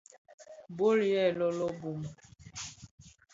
Bòl yêê lôlôo bum.